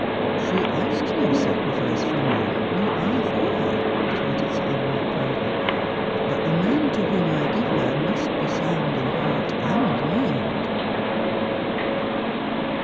131 'She asks no sacrifice from yon, nor I for her,' retorted Sir Everard proudly. ' But the man to whom I give her must be sound in heart and mind.'